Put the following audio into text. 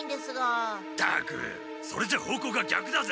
ったくそれじゃ方向がぎゃくだぜ！